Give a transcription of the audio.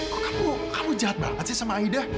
kok kamu jahat banget sih sama aida